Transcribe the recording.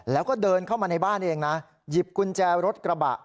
แล้วก็เดินเข้ามาในบ้านเองนะหยิบกุญแจรถกระบะ